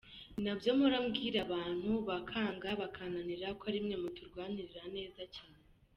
Ninabyo mpora mbwira abantu bakanga bakananira ko arimwe muturwanirira neza cyane.